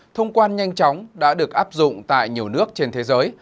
thông quan nhanh chóng đã được áp dụng tại nhiều nước trên thế giới